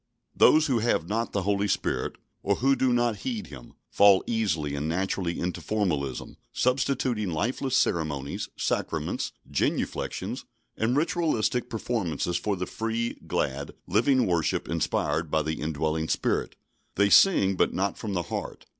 Those who have not the Holy Spirit, or who do not heed Him, fall easily and naturally into formalism, substituting lifeless ceremonies, sacraments, genuflections, and ritualistic performances for the free, glad, living worship inspired by the indwelling Spirit. They sing, but not from the heart.